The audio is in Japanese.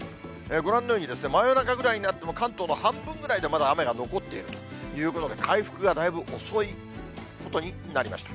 ご覧のように真夜中ぐらいになっても関東の半分ぐらいでまだ雨が残っているということで、回復がだいぶ遅いことになりました。